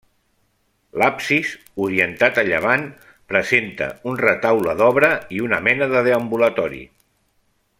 L'absis, orientat a llevant, presenta un retaule d'obra i una mena de deambulatori.